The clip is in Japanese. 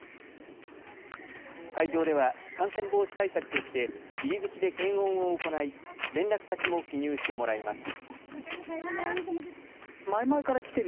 会場では感染防止対策として入り口で検温を行い連絡先も記入してもらいます。